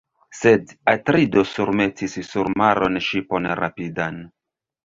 Sed Atrido surmetis sur maron ŝipon rapidan.